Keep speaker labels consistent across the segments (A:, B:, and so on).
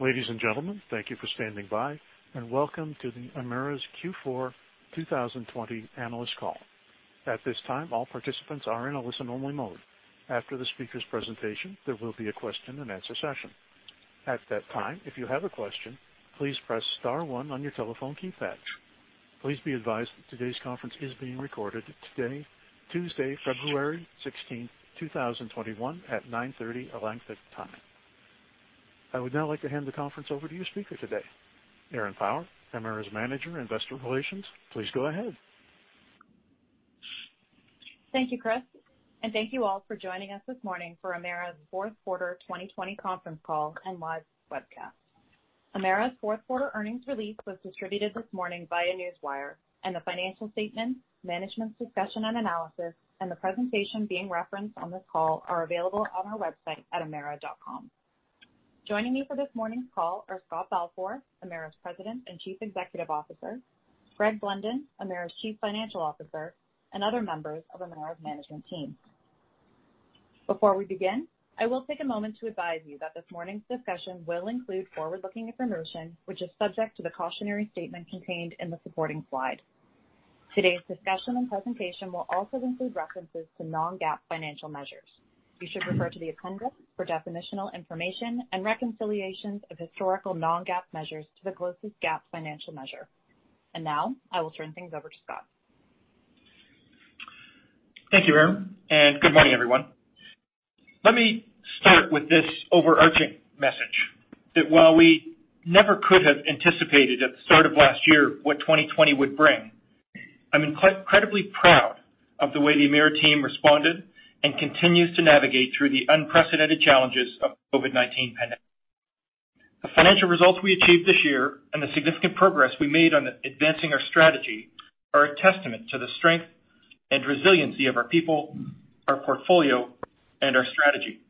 A: Ladies and gentlemen, thank you for standing by. Welcome to Emera's Q4 2020 analyst call. At this time, all participants are in a listen-only mode. After the speaker's presentation, there will be a question and answer session. At that time, if you have a question, please press star one on your telephone keypad. Please be advised that today's conference is being recorded Tuesday, February 16, 2021, at 9:30 A.M. Atlantic time. I would now like to hand the conference over to your speaker today, Erin Power, Emera's Manager, Investor Relations. Please go ahead.
B: Thank you, Chris, and thank you all for joining us this morning for Emera's fourth quarter 2020 conference call and live webcast. Emera's fourth quarter earnings release was distributed this morning via Newswire, and the financial statement, Management Discussion and Analysis, and the presentation being referenced on this call are available on our website at emera.com. Joining me for this morning's call are Scott Balfour, Emera's President and Chief Executive Officer, Greg Blunden, Emera's Chief Financial Officer, and other members of Emera's management team. Before we begin, I will take a moment to advise you that this morning's discussion will include forward-looking information, which is subject to the cautionary statement contained in the supporting slides. Today's discussion and presentation will also include references to non-GAAP financial measures. You should refer to the appendix for definitional information and reconciliations of historical non-GAAP measures to the closest GAAP financial measure. Now I will turn things over to Scott.
C: Thank you, Erin, and good morning, everyone. Let me start with this overarching message. While we never could have anticipated at the start of last year what 2020 would bring, I'm incredibly proud of the way the Emera team responded and continues to navigate through the unprecedented challenges of the COVID-19 pandemic. The financial results we achieved this year and the significant progress we made on advancing our strategy are a testament to the strength and resiliency of our people, our portfolio, and our strategy.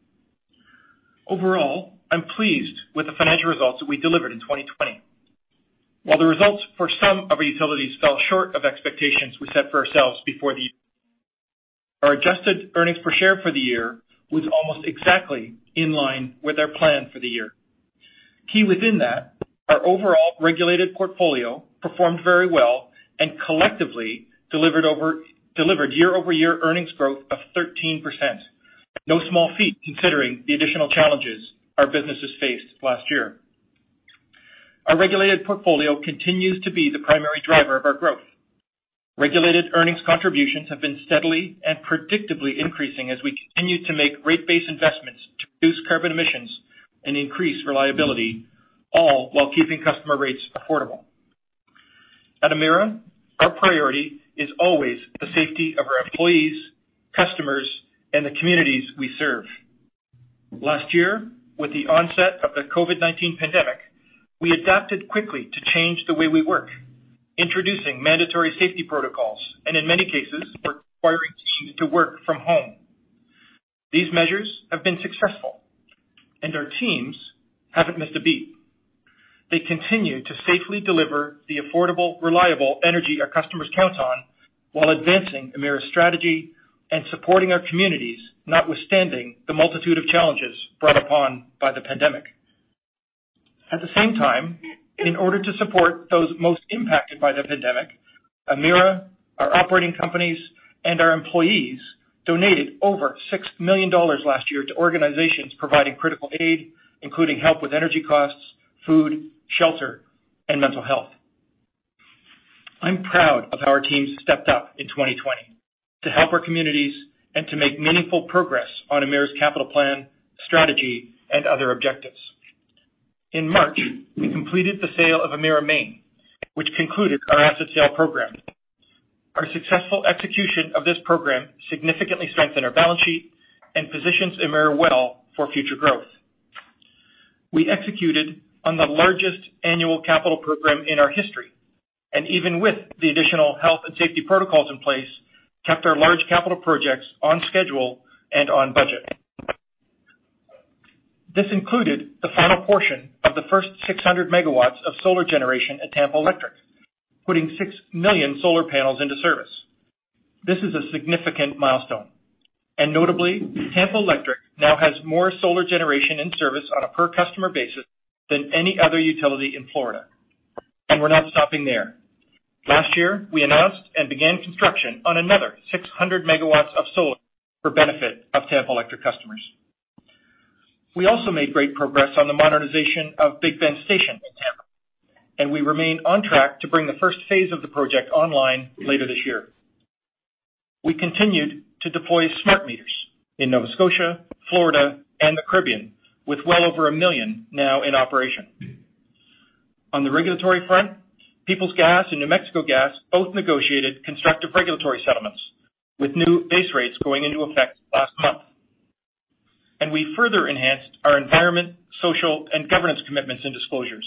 C: Overall, I'm pleased with the financial results that we delivered in 2020. While the results for some of our utilities fell short of expectations we set for ourselves before the year, our adjusted earnings per share for the year was almost exactly in line with our plan for the year. Key within that, our overall regulated portfolio performed very well and collectively delivered year-over-year earnings growth of 13%. No small feat considering the additional challenges our businesses faced last year. Our regulated portfolio continues to be the primary driver of our growth. Regulated earnings contributions have been steadily and predictably increasing as we continue to make rate base investments to reduce carbon emissions and increase reliability, all while keeping customer rates affordable. At Emera, our priority is always the safety of our employees, customers, and the communities we serve. Last year, with the onset of the COVID-19 pandemic, we adapted quickly to change the way we work, introducing mandatory safety protocols, and in many cases, requiring team to work from home. These measures have been successful. Our teams haven't missed a beat. They continue to safely deliver the affordable, reliable energy our customers count on while advancing Emera's strategy and supporting our communities notwithstanding the multitude of challenges brought upon by the pandemic. At the same time, in order to support those most impacted by the pandemic, Emera, our operating companies, and our employees donated over 6 million dollars last year to organizations providing critical aid, including help with energy costs, food, shelter, and mental health. I'm proud of how our teams stepped up in 2020 to help our communities and to make meaningful progress on Emera's capital plan, strategy, and other objectives. In March, we completed the sale of Emera Maine, which concluded our asset sale program. Our successful execution of this program significantly strengthened our balance sheet and positions Emera well for future growth. We executed on the largest annual capital program in our history, and even with the additional health and safety protocols in place, kept our large capital projects on schedule and on budget. This included the final portion of the first 600 MW of solar generation at Tampa Electric, putting 6 million solar panels into service. This is a significant milestone, and notably, Tampa Electric now has more solar generation in service on a per customer basis than any other utility in Florida. We're not stopping there. Last year, we announced and began construction on another 600 MW of solar for benefit of Tampa Electric customers. We also made great progress on the modernization of Big Bend Power Station in Tampa, and we remain on track to bring the first phase of the project online later this year. We continued to deploy smart meters in Nova Scotia, Florida, and the Caribbean, with well over 1 million now in operation. On the regulatory front, Peoples Gas and New Mexico Gas both negotiated constructive regulatory settlements with new base rates going into effect last month. We further enhanced our environment, social, and governance commitments and disclosures,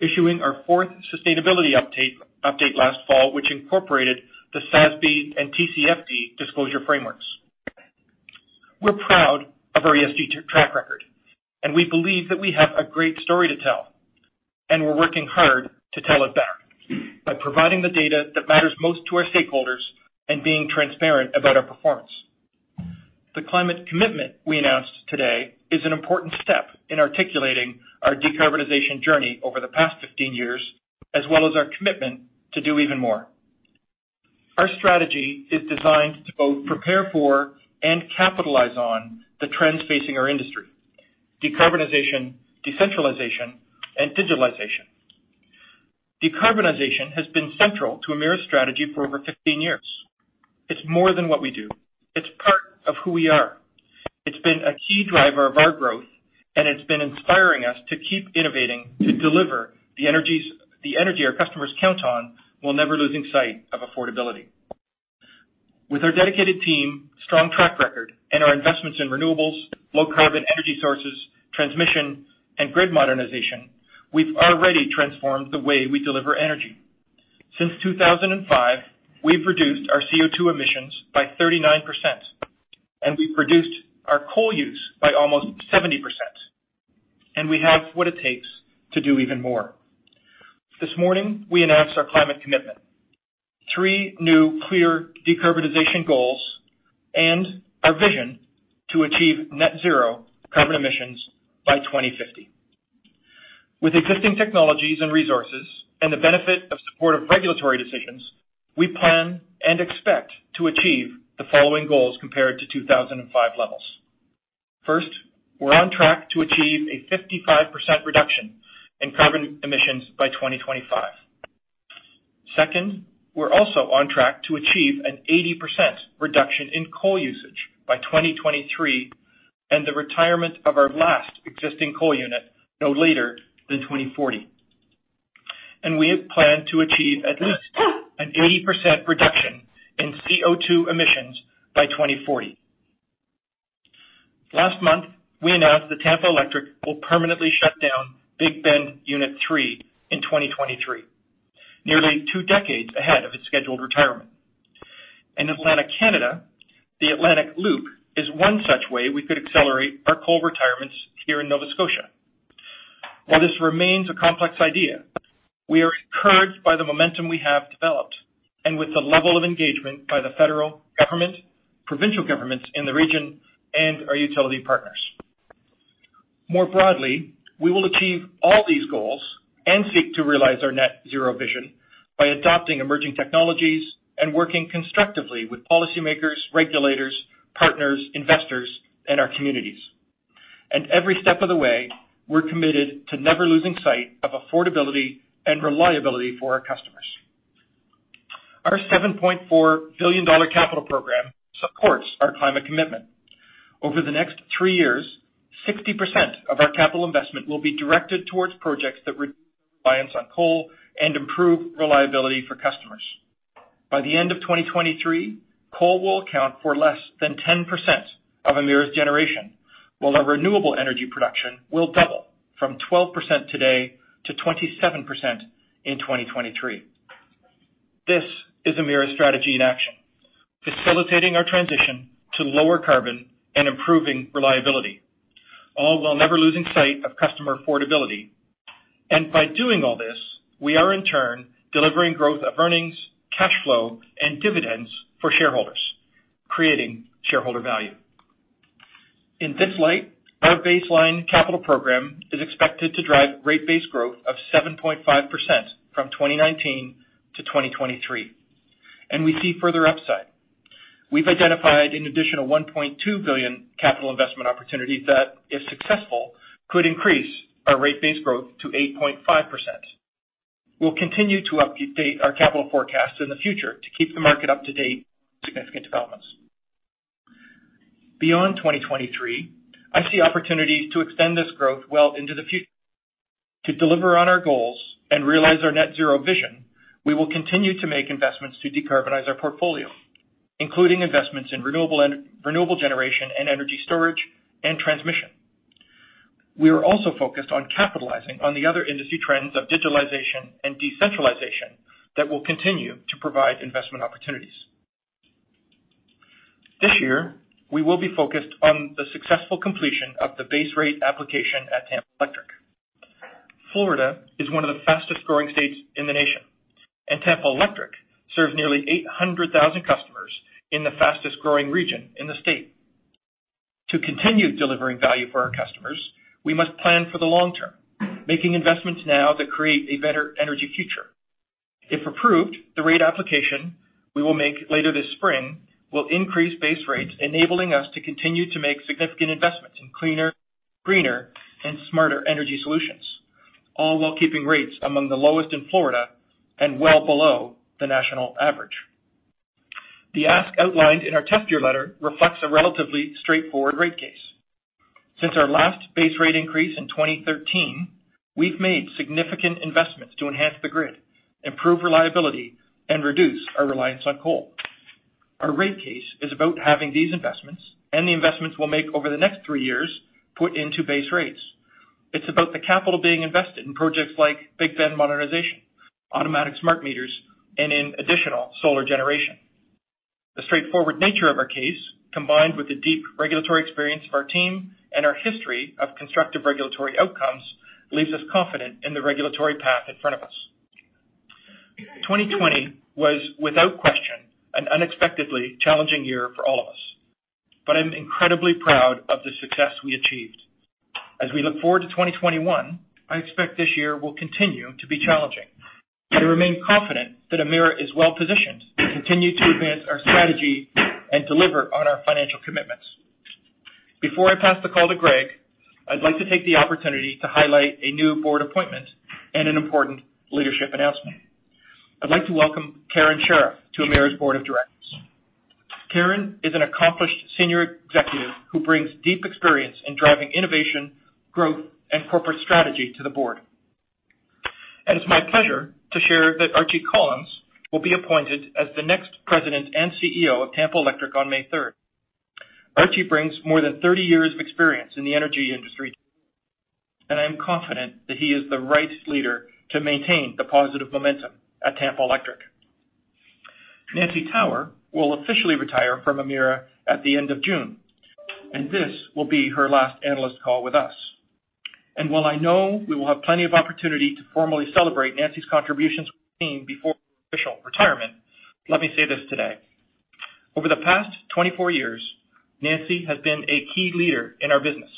C: issuing our fourth sustainability update last fall, which incorporated the SASB and TCFD disclosure frameworks. We're proud of our ESG track record, we believe that we have a great story to tell, and we're working hard to tell it better by providing the data that matters most to our stakeholders and being transparent about our performance. The climate commitment we announced today is an important step in articulating our decarbonization journey over the past 15 years, as well as our commitment to do even more. Our strategy is designed to both prepare for and capitalize on the trends facing our industry, decarbonization, decentralization, and digitalization. Decarbonization has been central to Emera's strategy for over 15 years. It's more than what we do. It's part of who we are. It's been a key driver of our growth. It's been inspiring us to keep innovating, to deliver the energy our customers count on, while never losing sight of affordability. With our dedicated team, strong track record, and our investments in renewables, low-carbon energy sources, transmission, and grid modernization, we've already transformed the way we deliver energy. Since 2005, we've reduced our CO2 emissions by 39%. We've reduced our coal use by almost 70%. We have what it takes to do even more. This morning, we announced our climate commitment, three new clear decarbonization goals, and our vision to achieve net zero carbon emissions by 2050. With existing technologies and resources, and the benefit of supportive regulatory decisions, we plan and expect to achieve the following goals compared to 2005 levels. First, we are on track to achieve a 55% reduction in carbon emissions by 2025. Second, we are also on track to achieve an 80% reduction in coal usage by 2023 and the retirement of our last existing coal unit no later than 2040. We have planned to achieve at least an 80% reduction in CO2 emissions by 2040. Last month, we announced that Tampa Electric will permanently shut down Big Bend Unit 3 in 2023, nearly two decades ahead of its scheduled retirement. In Atlantic Canada, the Atlantic Loop is one such way we could accelerate our coal retirements here in Nova Scotia. While this remains a complex idea, we are encouraged by the momentum we have developed and with the level of engagement by the federal government, provincial governments in the region, and our utility partners. More broadly, we will achieve all these goals and seek to realize our net zero vision by adopting emerging technologies and working constructively with policymakers, regulators, partners, investors, and our communities. Every step of the way, we're committed to never losing sight of affordability and reliability for our customers. Our 7.4 billion dollar capital program supports our climate commitment. Over the next three years, 60% of our capital investment will be directed towards projects that reduce reliance on coal and improve reliability for customers. By the end of 2023, coal will account for less than 10% of Emera's generation, while our renewable energy production will double from 12% today to 27% in 2023. This is Emera's strategy in action, facilitating our transition to lower carbon and improving reliability, all while never losing sight of customer affordability. By doing all this, we are in turn delivering growth of earnings, cash flow, and dividends for shareholders, creating shareholder value. In this light, our baseline capital program is expected to drive rate base growth of 7.5% from 2019 to 2023. We see further upside. We've identified an additional 1.2 billion capital investment opportunity that, if successful, could increase our rate base growth to 8.5%. We'll continue to update our capital forecasts in the future to keep the market up to date on significant developments. Beyond 2023, I see opportunities to extend this growth well into the future. To deliver on our goals and realize our net zero vision, we will continue to make investments to decarbonize our portfolio, including investments in renewable generation and energy storage and transmission. We are also focused on capitalizing on the other industry trends of digitalization and decentralization that will continue to provide investment opportunities. This year, we will be focused on the successful completion of the base rate application at Tampa Electric. Florida is one of the fastest-growing states in the nation, and Tampa Electric serves nearly 800,000 customers in the fastest-growing region in the state. To continue delivering value for our customers, we must plan for the long term, making investments now that create a better energy future. If approved, the rate application we will make later this spring will increase base rates, enabling us to continue to make significant investments in cleaner, greener, and smarter energy solutions, all while keeping rates among the lowest in Florida and well below the national average. The ask outlined in our test year letter reflects a relatively straightforward rate case. Since our last base rate increase in 2013, we've made significant investments to enhance the grid, improve reliability, and reduce our reliance on coal. Our rate case is about having these investments and the investments we'll make over the next three years put into base rates. It's about the capital being invested in projects like Big Bend modernization, automatic smart meters, and in additional solar generation. The straightforward nature of our case, combined with the deep regulatory experience of our team and our history of constructive regulatory outcomes, leaves us confident in the regulatory path in front of us. 2020 was, without question, an unexpectedly challenging year for all of us. I'm incredibly proud of the success we achieved. As we look forward to 2021, I expect this year will continue to be challenging. I remain confident that Emera is well-positioned to continue to advance our strategy and deliver on our financial commitments. Before I pass the call to Greg, I'd like to take the opportunity to highlight a new board appointment and an important leadership announcement. I'd like to welcome Karen Sheriff to Emera's board of directors. Karen is an accomplished senior executive who brings deep experience in driving innovation, growth, and corporate strategy to the board. It's my pleasure to share that Archie Collins will be appointed as the next President and CEO of Tampa Electric on May 3rd, 2021. Archie brings more than 30 years of experience in the energy industry, and I am confident that he is the right leader to maintain the positive momentum at Tampa Electric. Nancy Tower will officially retire from Emera at the end of June. This will be her last analyst call with us. While I know we will have plenty of opportunity to formally celebrate Nancy's contributions with the team before her official retirement, let me say this today. Over the past 24 years, Nancy has been a key leader in our business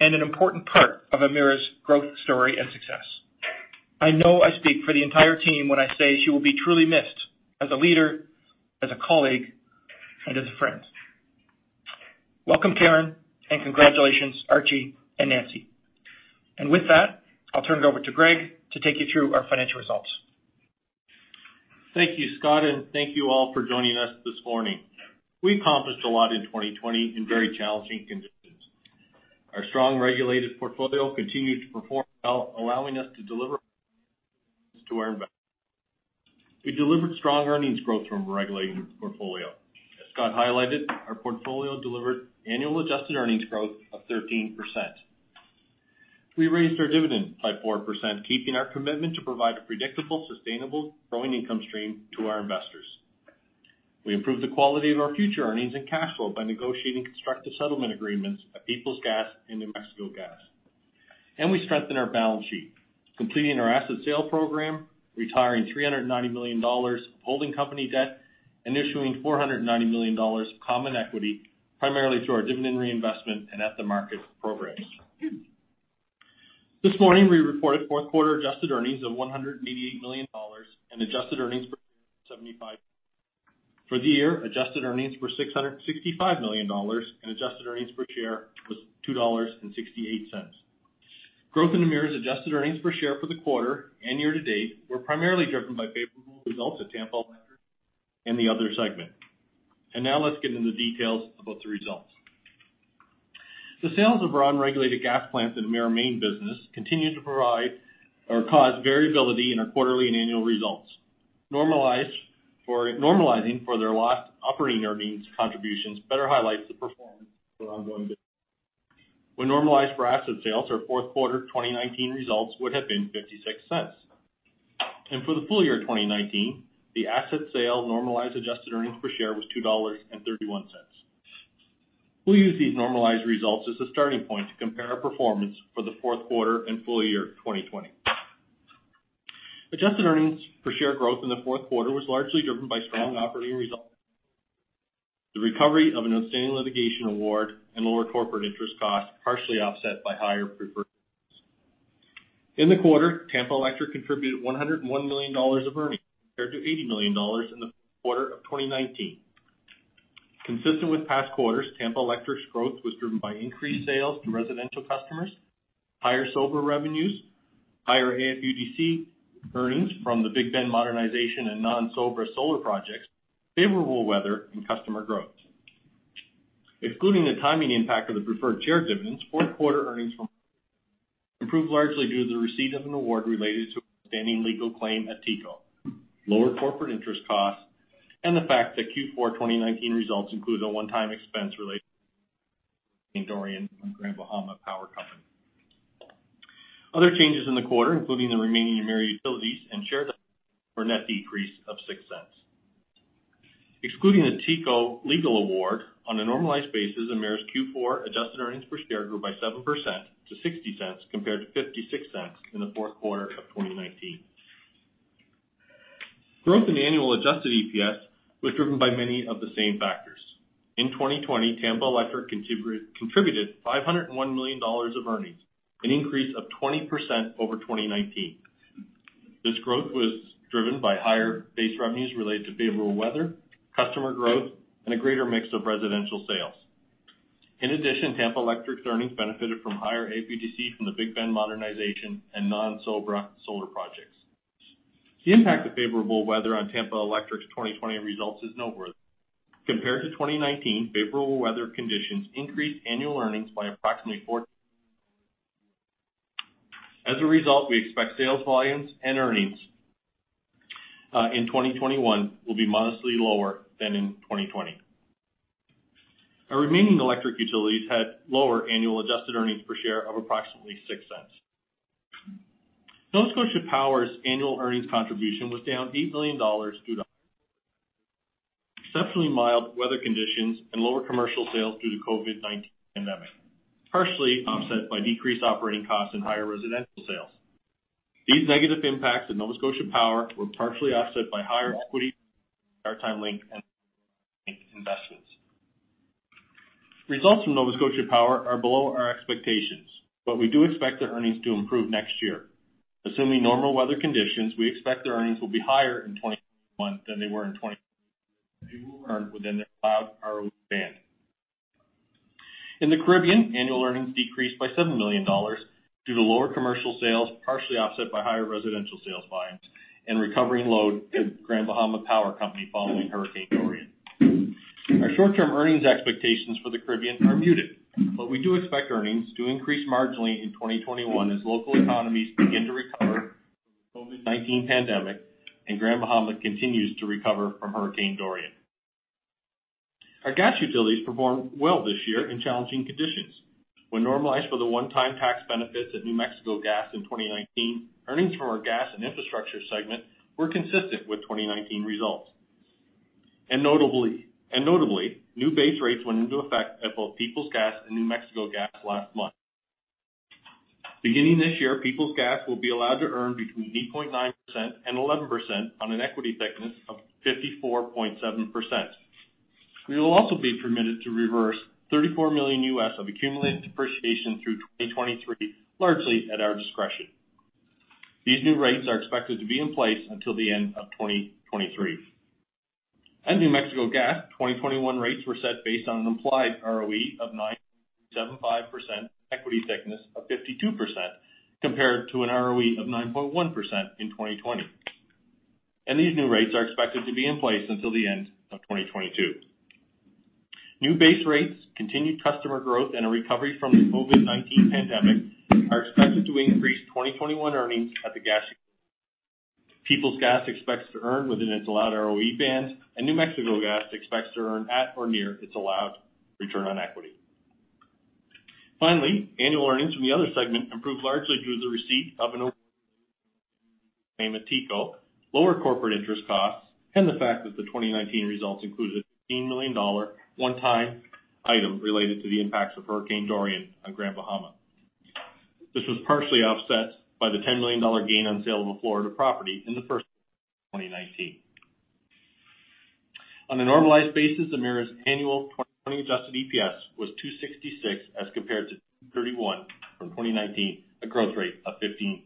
C: and an important part of Emera's growth story and success. I know I speak for the entire team when I say she will be truly missed as a leader, as a colleague, and as a friend. Welcome, Karen, and congratulations, Archie and Nancy. With that, I'll turn it over to Greg to take you through our financial results.
D: Thank you, Scott, and thank you all for joining us this morning. We accomplished a lot in 2020 in very challenging conditions. Our strong regulated portfolio continued to perform well, allowing us to deliver to our investors. We delivered strong earnings growth from a regulating portfolio. As Scott highlighted, our portfolio delivered annual adjusted earnings growth of 13%. We raised our dividend by 4%, keeping our commitment to provide a predictable, sustainable growing income stream to our investors. We improved the quality of our future earnings and cash flow by negotiating constructive settlement agreements at Peoples Gas and New Mexico Gas. We strengthened our balance sheet, completing our asset sale program, retiring 390 million dollars of holding company debt, and issuing 490 million dollars of common equity, primarily through our dividend reinvestment and at the market programs. This morning, we reported fourth quarter adjusted earnings of 188 million dollars and adjusted earnings per share of 0.75. For the year, adjusted earnings were 665 million dollars and adjusted earnings per share was 2.68 dollars. Growth in Emera's adjusted earnings per share for the quarter and year to date were primarily driven by favorable results at Tampa Electric and the other segment. Now let's get into the details about the results. The sales of our unregulated gas plants in Emera Maine business continue to provide or cause variability in our quarterly and annual results. Normalizing for their lost operating earnings contributions better highlights the performance for ongoing business. When normalized for asset sales, our fourth quarter 2019 results would have been 0.56. For the full year 2019, the asset sale normalized adjusted earnings per share was 2.31 dollars. We'll use these normalized results as a starting point to compare our performance for the fourth quarter and full year 2020. Adjusted EPS growth in the fourth quarter was largely driven by strong operating results, the recovery of an outstanding litigation award, and lower corporate interest costs partially offset by higher preferred dividends. In the quarter, Tampa Electric contributed 101 million dollars of earnings compared to 80 million dollars in the fourth quarter of 2019. Consistent with past quarters, Tampa Electric's growth was driven by increased sales to residential customers, higher SoBRA revenues, higher AFUDC earnings from the Big Bend modernization and non-SoBRA solar projects, favorable weather, and customer growth. Excluding the timing impact of the preferred share dividends, fourth quarter earnings from improved largely due to the receipt of an award related to outstanding legal claim at TECO, lower corporate interest costs, and the fact that Q4 2019 results include a one-time expense related to Dorian from Grand Bahama Power Company. Other changes in the quarter, including the remaining Emera utilities and share were a net decrease of 0.06. Excluding the TECO legal award, on a normalized basis, Emera's Q4 adjusted earnings per share grew by 7% to 0.60 compared to 0.56 in the fourth quarter of 2019. Growth in annual adjusted EPS was driven by many of the same factors. In 2020, Tampa Electric contributed 501 million dollars of earnings, an increase of 20% over 2019. This growth was driven by higher base revenues related to favorable weather, customer growth, and a greater mix of residential sales. In addition, Tampa Electric's earnings benefited from higher AFUDC from the Big Bend modernization and non-SOBRA solar projects. The impact of favorable weather on Tampa Electric's 2020 results is noteworthy. Compared to 2019, favorable weather conditions increased annual earnings by approximately. As a result, we expect sales volumes and earnings in 2021 will be modestly lower than in 2020. Our remaining electric utilities had lower annual adjusted earnings per share of approximately 0.06. Nova Scotia Power's annual earnings contribution was down 8 million dollars due to exceptionally mild weather conditions and lower commercial sales due to COVID-19 pandemic, partially offset by decreased operating costs and higher residential sales. These negative impacts at Nova Scotia Power were partially offset by higher equity, Maritime Link, and investments. Results from Nova Scotia Power are below our expectations, but we do expect their earnings to improve next year. Assuming normal weather conditions, we expect their earnings will be higher in 2021 than they were in 2020, and they will earn within their allowed ROE band. In the Caribbean, annual earnings decreased by 7 million dollars due to lower commercial sales, partially offset by higher residential sales volumes and recovering load at Grand Bahama Power Company following Hurricane Dorian. Our short-term earnings expectations for the Caribbean are muted, but we do expect earnings to increase marginally in 2021 as local economies begin to recover from the COVID-19 pandemic and Grand Bahama continues to recover from Hurricane Dorian. Our gas utilities performed well this year in challenging conditions. When normalized for the one-time tax benefits at New Mexico Gas in 2019, earnings from our gas and infrastructure segment were consistent with 2019 results. Notably, new base rates went into effect at both Peoples Gas and New Mexico Gas last month. Beginning this year, Peoples Gas will be allowed to earn between 8.9% and 11% on an equity thickness of 54.7%. We will also be permitted to reverse $34 million of accumulated depreciation through 2023, largely at our discretion. These new rates are expected to be in place until the end of 2023. At New Mexico Gas, 2021 rates were set based on an implied ROE of 9.75% equity thickness of 52%, compared to an ROE of 9.1% in 2020. These new rates are expected to be in place until the end of 2022. New base rates, continued customer growth, and a recovery from the COVID-19 pandemic are expected to increase 2021 earnings at the gas. Peoples Gas expects to earn within its allowed ROE band, and New Mexico Gas expects to earn at or near its allowed return on equity. Finally, annual earnings from the other segment improved largely due to the receipt of a payment TECO, lower corporate interest costs, and the fact that the 2019 results included a 15 million dollar one-time item related to the impacts of Hurricane Dorian on Grand Bahama. This was partially offset by the 10 million dollar gain on sale of a Florida property in the first quarter of 2019. On a normalized basis, Emera's annual 2020 adjusted EPS was 2.66 as compared to 2.31 from 2019, a growth rate of 15%.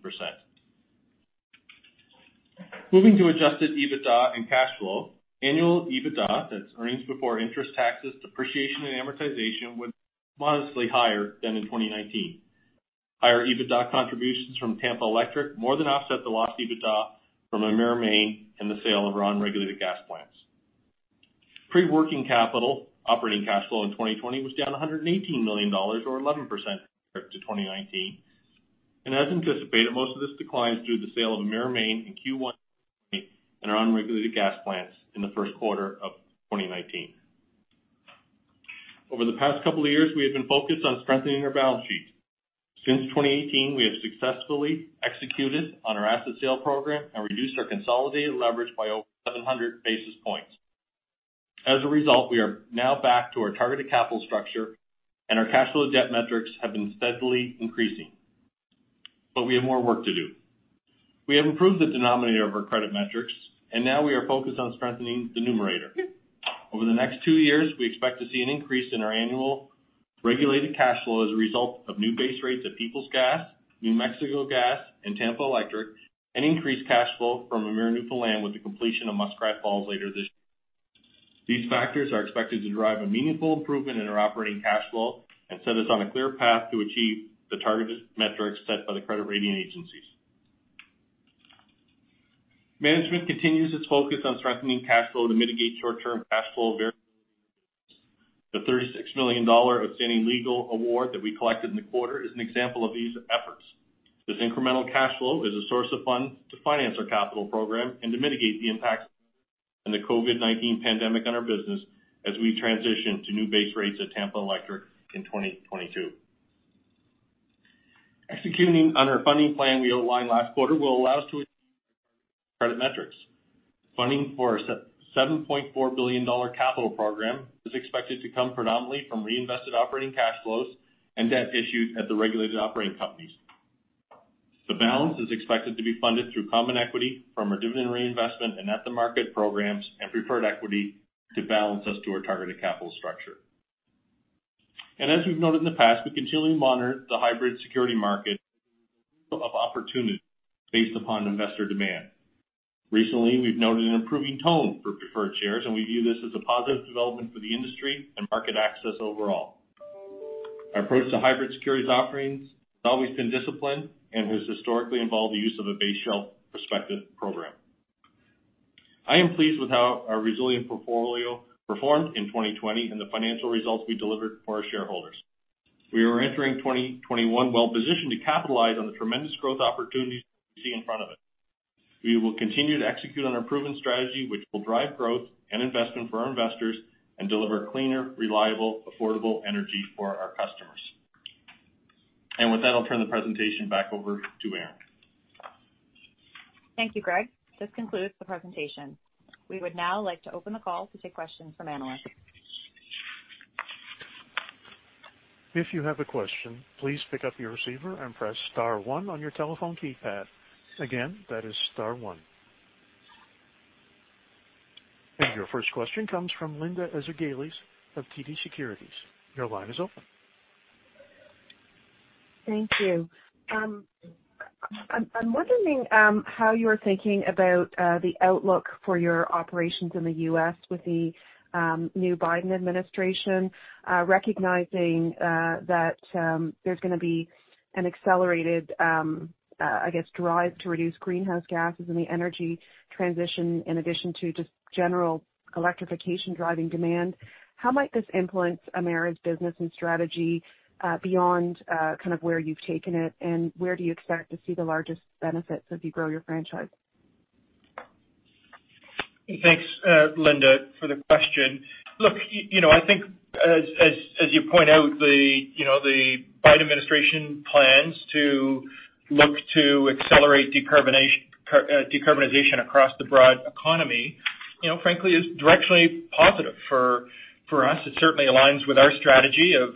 D: Moving to adjusted EBITDA and cash flow. Annual EBITDA, that's earnings before interest, taxes, depreciation, and amortization, was modestly higher than in 2019. Higher EBITDA contributions from Tampa Electric more than offset the lost EBITDA from Emera Maine and the sale of our unregulated gas plants. Pre-working capital operating cash flow in 2020 was down 118 million dollars or 11% compared to 2019. As anticipated, most of this decline is due to the sale of Emera Maine in Q1 and our unregulated gas plants in the first quarter of 2019. Over the past couple of years, we have been focused on strengthening our balance sheet. Since 2018, we have successfully executed on our asset sale program and reduced our consolidated leverage by over 700 basis points. As a result, we are now back to our targeted capital structure and our cash to debt metrics have been steadily increasing. We have more work to do. We have improved the denominator of our credit metrics, and now we are focused on strengthening the numerator. Over the next two years, we expect to see an increase in our annual regulated cash flow as a result of new base rates at Peoples Gas, New Mexico Gas, and Tampa Electric, and increased cash flow from Emera Newfoundland with the completion of Muskrat Falls later this year. These factors are expected to drive a meaningful improvement in our operating cash flow and set us on a clear path to achieve the targeted metrics set by the credit rating agencies. Management continues its focus on strengthening cash flow to mitigate short-term cash flow variability. The 36 million dollar outstanding legal award that we collected in the quarter is an example of these efforts. This incremental cash flow is a source of funds to finance our capital program and to mitigate the impacts of the COVID-19 pandemic on our business as we transition to new base rates at Tampa Electric in 2022. Executing on our funding plan we outlined last quarter will allow us to credit metrics. Funding for a 7.4 billion dollar capital program is expected to come predominantly from reinvested operating cash flows and debt issued at the regulated operating companies. The balance is expected to be funded through common equity from our dividend reinvestment and at-the-market programs, and preferred equity to balance us to our targeted capital structure. As we've noted in the past, we continually monitor the hybrid security market of opportunities based upon investor demand. Recently, we've noted an improving tone for preferred shares, and we view this as a positive development for the industry and market access overall. Our approach to hybrid securities offerings has always been disciplined and has historically involved the use of a base shelf respective program. I am pleased with how our resilient portfolio performed in 2020 and the financial results we delivered for our shareholders. We are entering 2021 well-positioned to capitalize on the tremendous growth opportunities we see in front of us. We will continue to execute on our proven strategy, which will drive growth and investment for our investors and deliver cleaner, reliable, affordable energy for our customers. With that, I'll turn the presentation back over to Erin.
B: Thank you, Greg. This concludes the presentation. We would now like to open the call to take questions from analysts.
A: If you have a question, please pick up your receiver and press star one on your telephone keypad. Again, that is star one. Your first question comes from Linda Ezergailis of TD Securities. Your line is open.
E: Thank you. I'm wondering how you're thinking about the outlook for your operations in the U.S. with the new Biden administration, recognizing that there's going to be an accelerated drive to reduce greenhouse gases and the energy transition, in addition to just general electrification driving demand. How might this influence Emera's business and strategy beyond where you've taken it, and where do you expect to see the largest benefits as you grow your franchise?
C: Thanks, Linda, for the question. Look, I think as you point out, the Biden administration plans to look to accelerate decarbonization across the broad economy, frankly, is directly positive for us. It certainly aligns with our strategy of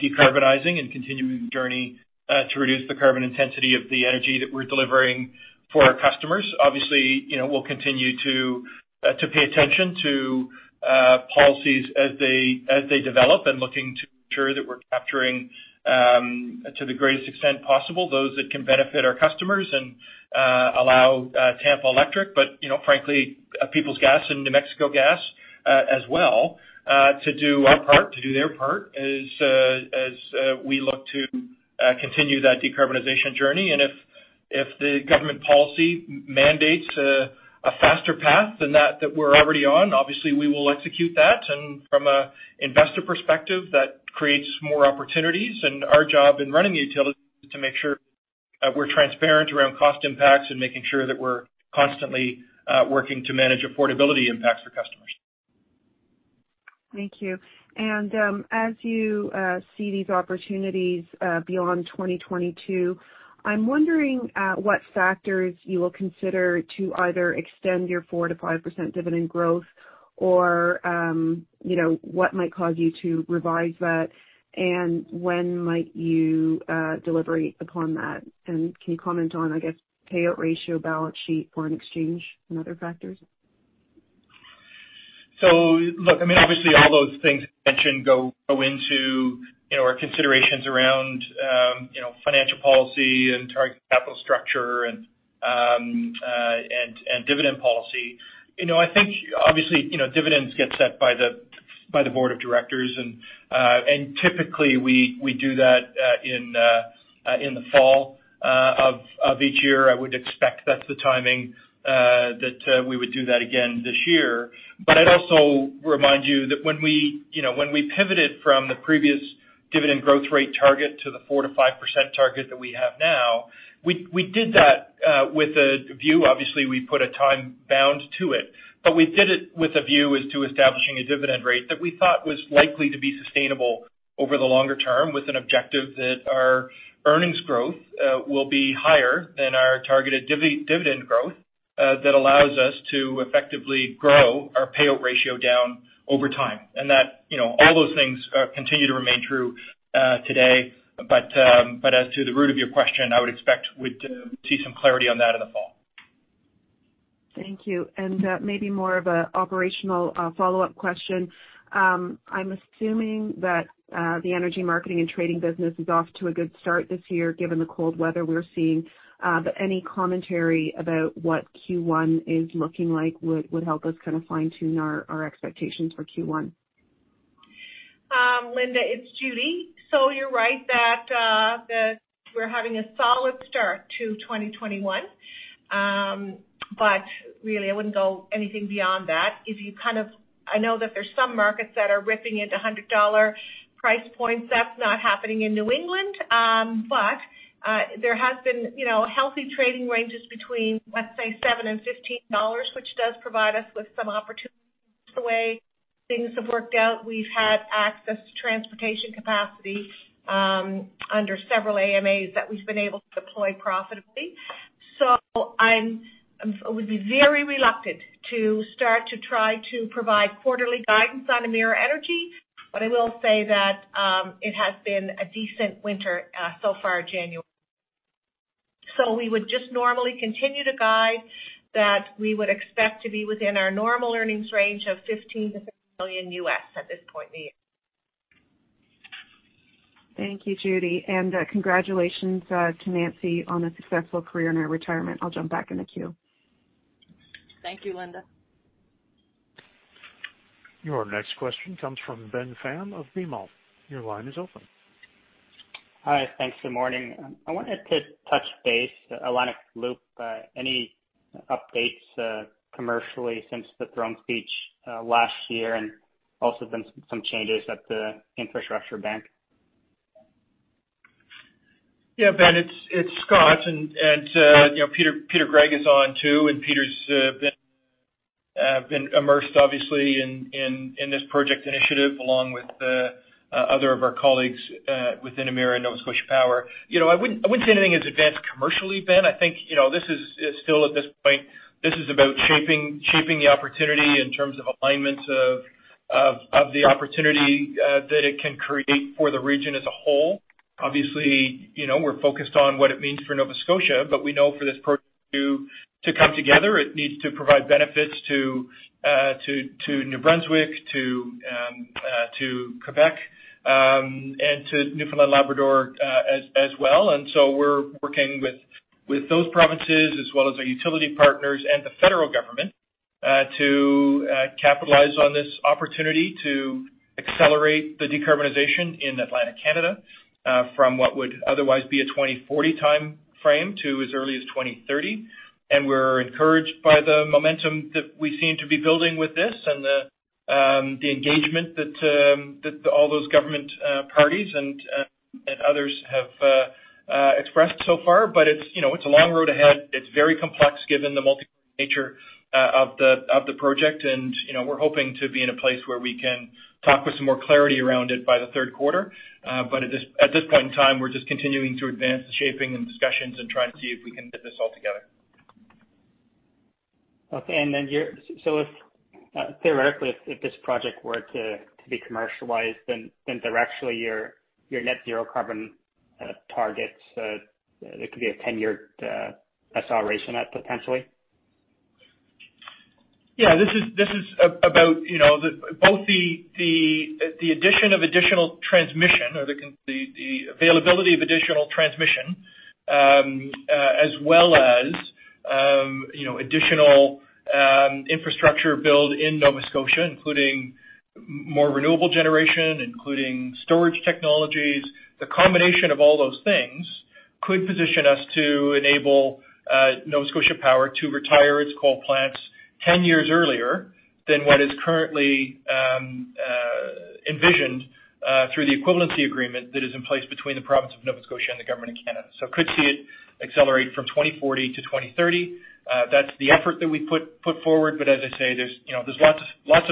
C: decarbonizing and continuing the journey to reduce the carbon intensity of the energy that we're delivering for our customers. Obviously, we'll continue to pay attention to policies as they develop and looking to ensure that we're capturing, to the greatest extent possible, those that can benefit our customers and allow Tampa Electric, but frankly, Peoples Gas and New Mexico Gas as well, to do our part, to do their part, as we look to continue that decarbonization journey. If the government policy mandates a faster path than that that we're already on, obviously we will execute that, and from an investor perspective, that creates more opportunities. Our job in running the utility is to make sure we're transparent around cost impacts and making sure that we're constantly working to manage affordability impacts for customers.
E: Thank you. As you see these opportunities beyond 2022, I'm wondering what factors you will consider to either extend your 4%-5% dividend growth or what might cause you to revise that, and when might you deliberate upon that? Can you comment on payout ratio, balance sheet, foreign exchange, and other factors?
C: Look, obviously, all those things you mentioned go into our considerations around financial policy and target capital structure and dividend policy. I think, obviously, dividends get set by the board of directors, and typically, we do that in the fall of each year. I would expect that is the timing that we would do that again this year. I would also remind you that when we pivoted from the previous dividend growth rate target to the 4%-5% target that we have now, we did that with a view. Obviously, we put a time bound to it, but we did it with a view as to establishing a dividend rate that we thought was likely to be sustainable over the longer term, with an objective that our earnings growth will be higher than our targeted dividend growth that allows us to effectively grow our payout ratio down over time. All those things continue to remain true today. As to the root of your question, I would expect we'd see some clarity on that in the fall.
E: Thank you. Maybe more of a operational follow-up question. I'm assuming that the energy marketing and trading business is off to a good start this year, given the cold weather we're seeing. Any commentary about what Q1 is looking like would help us kind of fine-tune our expectations for Q1.
F: Linda, it's Judy. You're right that we're having a solid start to 2021. Really, I wouldn't go anything beyond that. I know that there's some markets that are ripping into $100 price points. That's not happening in New England. There has been healthy trading ranges between, let's say, $7 and $15, which does provide us with some opportunities. The way things have worked out, we've had access to transportation capacity under several AMAs that we've been able to deploy profitably. I would be very reluctant to start to try to provide quarterly guidance on Emera Energy. I will say that it has been a decent winter so far, January. We would just normally continue to guide that we would expect to be within our normal earnings range of $15 million-$16 million U.S. at this point in the year.
E: Thank you, Judy, and congratulations to Nancy on a successful career and her retirement. I'll jump back in the queue.
F: Thank you, Linda.
A: Your next question comes from Ben Pham of BMO. Your line is open.
G: Hi. Thanks. Good morning. I wanted to touch base. Atlantic Loop, any updates commercially since the throne speech last year, and also been some changes at the Infrastructure Bank?
C: Yeah, Ben, it's Scott. Peter Gregg is on too. Peter's been immersed, obviously, in this project initiative, along with other of our colleagues within Emera and Nova Scotia Power. I wouldn't say anything has advanced commercially, Ben. I think, still at this point, this is about shaping the opportunity in terms of alignments of the opportunity that it can create for the region as a whole. Obviously, we're focused on what it means for Nova Scotia. We know for this to come together, it needs to provide benefits to New Brunswick, to Quebec, and to Newfoundland and Labrador as well. We're working with those provinces as well as our utility partners and the federal government, to capitalize on this opportunity to accelerate the decarbonization in Atlantic Canada, from what would otherwise be a 2040 timeframe to as early as 2030. We're encouraged by the momentum that we seem to be building with this, and the engagement that all those government parties and others have expressed so far. It's a long road ahead. It's very complex given the multi nature of the project. We're hoping to be in a place where we can talk with some more clarity around it by the third quarter. At this point in time, we're just continuing to advance the shaping and discussions and trying to see if we can fit this all together.
G: Okay. Theoretically, if this project were to be commercialized, then directionally your net zero carbon targets, there could be a 10-year acceleration of potentially?
C: This is about both the addition of additional transmission or the availability of additional transmission, as well as additional infrastructure build in Nova Scotia, including more renewable generation, including storage technologies. The combination of all those things could position us to enable Nova Scotia Power to retire its coal plants 10 years earlier than what is currently envisioned through the equivalency agreement that is in place between the province of Nova Scotia and the Government of Canada. Could see it accelerate from 2040 to 2030. That's the effort that we put forward. As I say, there's lots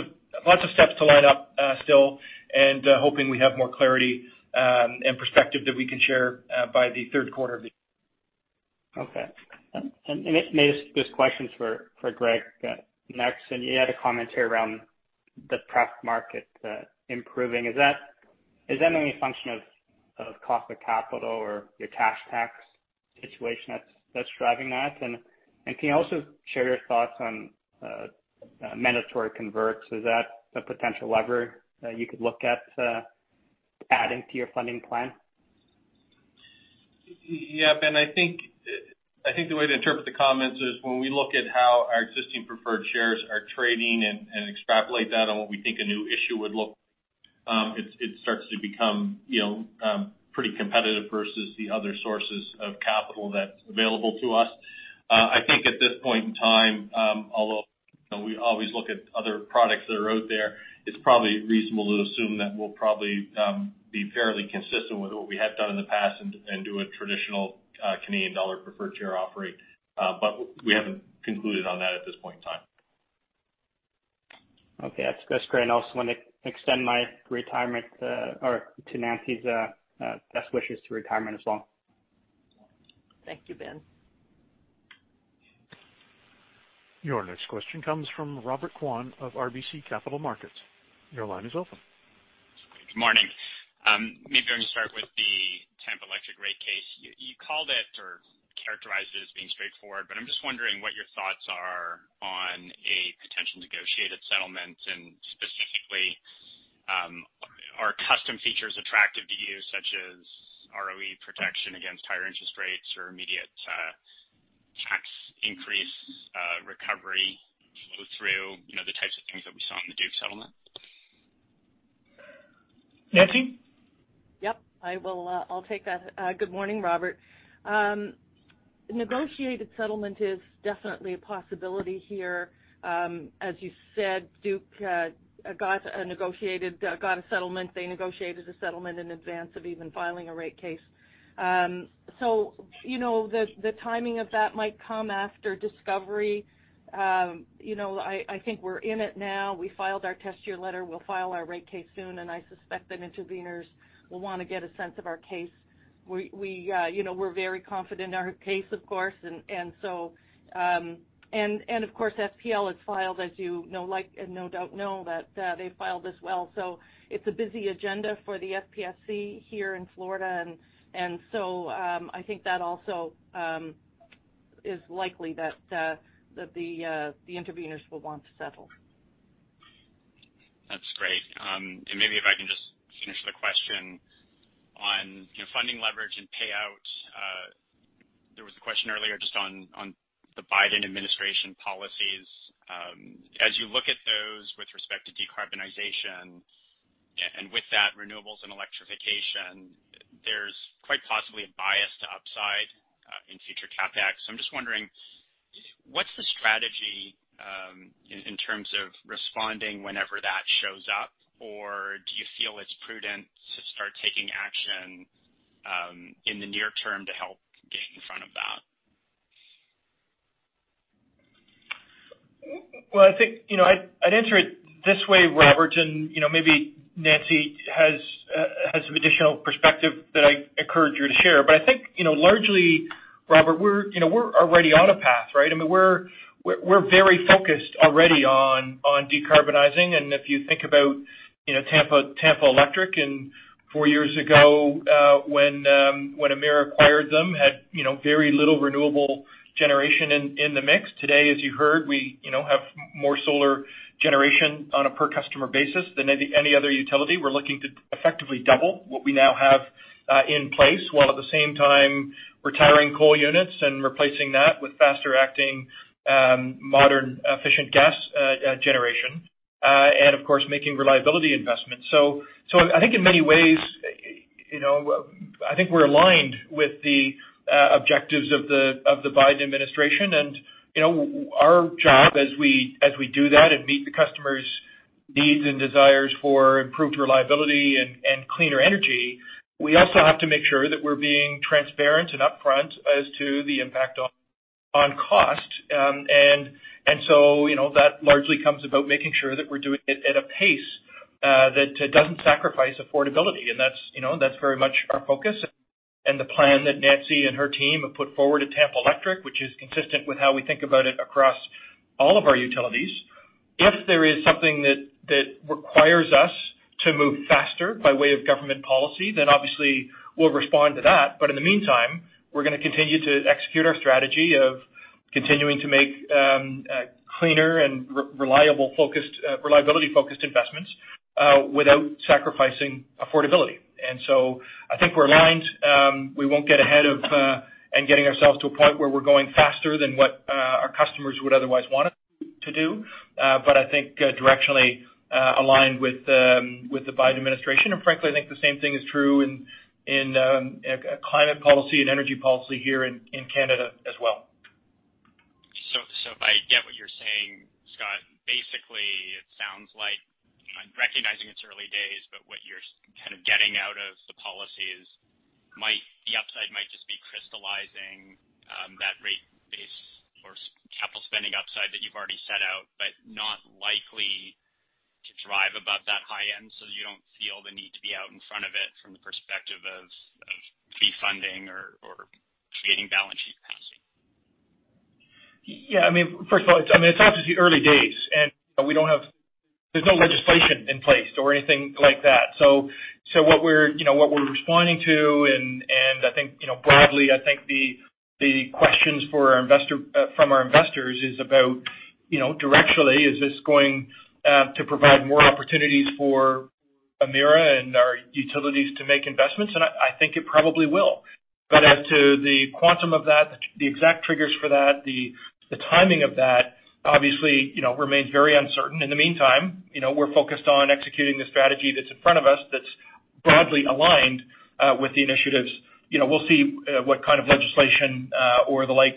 C: of steps to line up still and hoping we have more clarity and perspective that we can share by the third quarter of the year.
G: Okay. Maybe this question's for Greg next. You had a comment here around the pref market improving. Is that only a function of cost of capital or your cash tax situation that's driving that? Can you also share your thoughts on mandatory converts? Is that a potential lever that you could look at adding to your funding plan?
D: Yeah, Ben, I think the way to interpret the comments is when we look at how our existing preferred shares are trading and extrapolate that on what we think a new issue would look like, it starts to become pretty competitive versus the other sources of capital that's available to us. I think at this point in time, although we always look at other products that are out there, it's probably reasonable to assume that we'll probably be fairly consistent with what we have done in the past and do a traditional Canadian dollar preferred share offering. We haven't concluded on that at this point in time.
G: Okay. That's great. I also want to extend my retirement, or to Nancy's best wishes to retirement as well.
H: Thank you, Ben.
A: Your next question comes from Robert Kwan of RBC Capital Markets. Your line is open.
I: Good morning. Maybe I am going to start with the Tampa Electric rate case. You called it or characterized it as being straightforward, but I am just wondering what your thoughts are on a potential negotiated settlement, and specifically, are custom features attractive to you, such as ROE protection against higher interest rates or immediate tax increase recovery flow through? The types of things that we saw in the Duke settlement.
C: Nancy?
H: Yep. I'll take that. Good morning, Robert. Negotiated settlement is definitely a possibility here. As you said, Duke got a settlement. They negotiated a settlement in advance of even filing a rate case. The timing of that might come after discovery. I think we're in it now. We filed our test year letter. We'll file our rate case soon, and I suspect that interveners will want to get a sense of our case. We're very confident in our case, of course. Of course, FPL has filed, as you no doubt know, that they've filed as well. It's a busy agenda for the FPSC here in Florida. I think that also is likely that the interveners will want to settle.
I: That's great. Maybe if I can just finish the question on funding leverage and payout. There was a question earlier just on the Biden administration policies. As you look at those with respect to decarbonization and with that, renewables and electrification, there's quite possibly a bias to upside in future CapEx. I'm just wondering, what's the strategy in terms of responding whenever that shows up? Or do you feel it's prudent to start taking action in the near term to help get in front of that?
C: I think I'd answer it this way, Robert, and maybe Nancy has some additional perspective that I encourage her to share. I think, largely, Robert, we're already on a path, right? We're very focused already on decarbonizing. If you think about Tampa Electric and four years ago when Emera acquired them, had very little renewable generation in the mix. Today, as you heard, we have more solar generation on a per-customer basis than any other utility. We're looking to effectively double what we now have in place, while at the same time retiring coal units and replacing that with faster-acting, modern, efficient gas generation. Of course, making reliability investments. I think in many ways, I think we're aligned with the objectives of the Biden administration. Our job as we do that and meet the customers' needs and desires for improved reliability and cleaner energy, we also have to make sure that we're being transparent and upfront as to the impact on cost. That largely comes about making sure that we're doing it at a pace that doesn't sacrifice affordability. That's very much our focus and the plan that Nancy and her team have put forward at Tampa Electric, which is consistent with how we think about it across all of our utilities. If there is something that requires us to move faster by way of government policy, then obviously we'll respond to that. In the meantime, we're going to continue to execute our strategy of continuing to make cleaner and reliability-focused investments without sacrificing affordability. I think we're aligned. We won't get ahead of and getting ourselves to a point where we're going faster than what our customers would otherwise want us to do. I think directionally aligned with the Biden administration. Frankly, I think the same thing is true in climate policy and energy policy here in Canada as well.
I: If I get what you're saying, Scott, basically it sounds like, I'm recognizing it's early days, but what you're kind of getting out of the policies, the upside might just be crystallizing that rate base or capital spending upside that you've already set out, but not likely to drive above that high end. You don't feel the need to be out in front of it from the perspective of fee funding or creating balance sheet capacity.
C: First of all, it's obviously early days and there's no legislation in place or anything like that. What we're responding to and I think, broadly, I think the questions from our investors is about directionally, is this going to provide more opportunities for Emera and our utilities to make investments? I think it probably will. As to the quantum of that, the exact triggers for that, the timing of that obviously remains very uncertain. In the meantime, we're focused on executing the strategy that's in front of us, that's broadly aligned with the initiatives. We'll see what kind of legislation or the like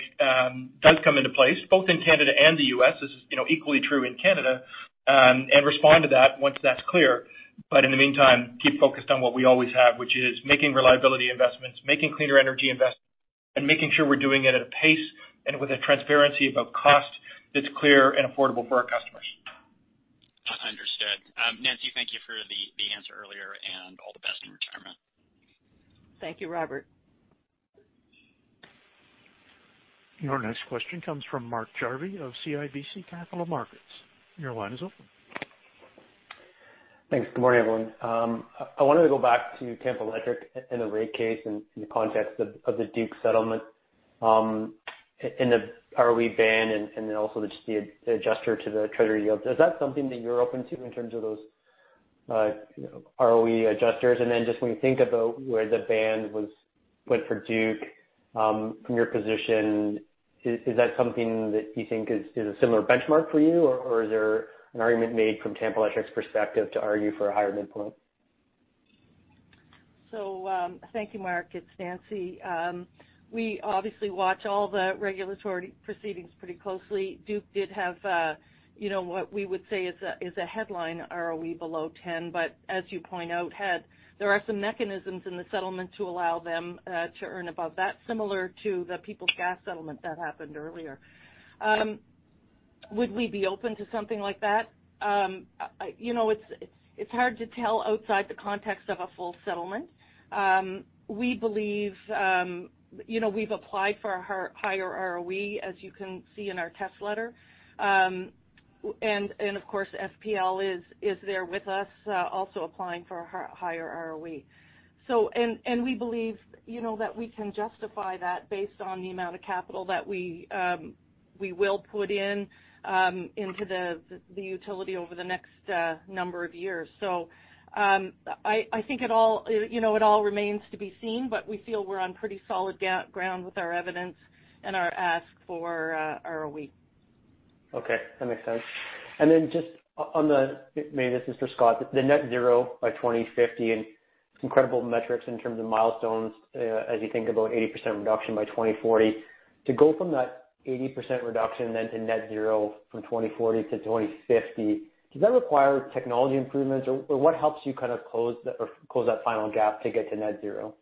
C: does come into place, both in Canada and the U.S. This is equally true in Canada. Respond to that once that's clear. In the meantime, keep focused on what we always have, which is making reliability investments, making cleaner energy investments, and making sure we are doing it at a pace and with a transparency about cost that is clear and affordable for our customers.
I: Understood. Nancy, thank you for the answer earlier, and all the best in retirement.
H: Thank you, Robert.
A: Your next question comes from Mark Jarvi of CIBC Capital Markets. Your line is open.
J: Thanks. Good morning, everyone. I wanted to go back to Tampa Electric and the rate case in the context of the Duke Energy settlement in the ROE ban and then also just the adjuster to the Treasury yield. Is that something that you're open to in terms of those ROE adjusters? Just when you think about where the ban was put for Duke Energy, from your position, is that something that you think is a similar benchmark for you, or is there an argument made from Tampa Electric's perspective to argue for a higher midpoint?
H: Thank you, Mark. It's Nancy. We obviously watch all the regulatory proceedings pretty closely. Duke Energy did have what we would say is a headline ROE below 10, but as you point out, there are some mechanisms in the settlement to allow them to earn above that, similar to the Peoples Gas settlement that happened earlier. Would we be open to something like that? It's hard to tell outside the context of a full settlement. We've applied for a higher ROE, as you can see in our test letter. Of course, FPL is there with us also applying for a higher ROE. We believe that we can justify that based on the amount of capital that we will put into the utility over the next number of years. I think it all remains to be seen, but we feel we're on pretty solid ground with our evidence and our ask for ROE.
J: Okay. That makes sense. Just on the, maybe this is for Scott, the net zero by 2050 and some incredible metrics in terms of milestones as you think about 80% reduction by 2040. To go from that 80% reduction then to net zero from 2040 to 2050, does that require technology improvements or what helps you close that final gap to get to net zero?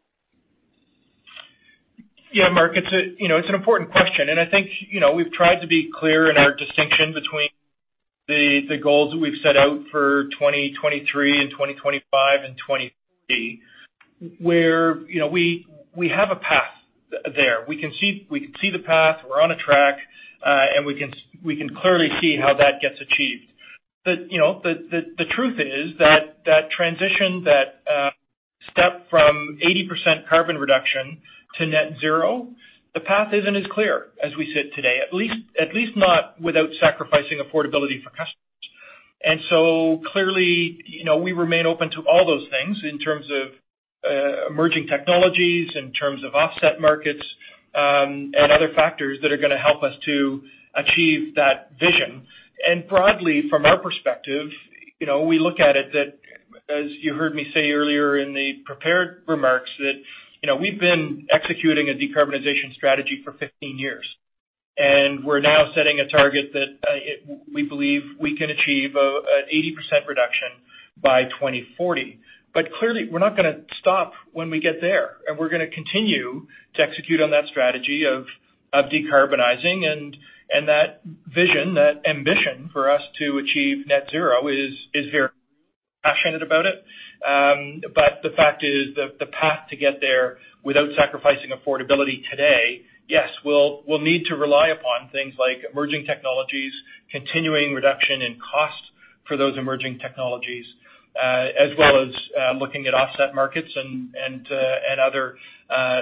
C: Yeah, Mark, it's an important question. I think, we've tried to be clear in our distinction between the goals that we've set out for 2023 and 2025 and 2030, where we have a path there. We can see the path. We're on a track. We can clearly see how that gets achieved. The truth is that that transition, that step from 80% carbon reduction to net zero, the path isn't as clear as we sit today, at least not without sacrificing affordability for customers. Clearly, we remain open to all those things in terms of emerging technologies, in terms of offset markets, and other factors that are going to help us to achieve that vision. Broadly, from our perspective, we look at it that, as you heard me say earlier in the prepared remarks, that we've been executing a decarbonization strategy for 15 years. We're now setting a target that we believe we can achieve an 80% reduction by 2040. Clearly, we're not going to stop when we get there. We're going to continue to execute on that strategy of decarbonizing and that vision, that ambition for us to achieve net zero is very passionate about it. The fact is the path to get there without sacrificing affordability today, yes, we'll need to rely upon things like emerging technologies, continuing reduction in cost for those emerging technologies, as well as looking at offset markets and other